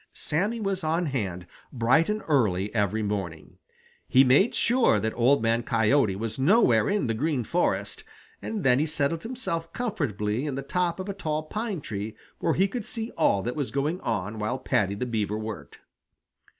Sammy was on hand bright and early every morning. He made sure that Old Man Coyote was nowhere in the Green Forest, and then he settled himself comfortably in the top of a tall pine tree where he could see all that was going on while Paddy the Beaver worked.